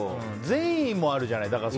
善意もあるじゃない。